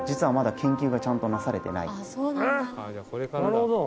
なるほど。